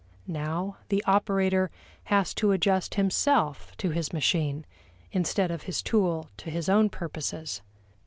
Now the operator has to adjust himself to his machine, instead of his tool to his own purposes.